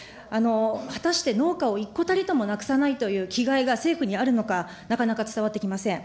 果たして農家を一戸たりともなくさないという気概が政府にあるのか、なかなか伝わってきません。